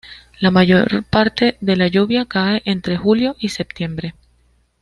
La mayor parte de la lluvia cae entre julio y septiembre.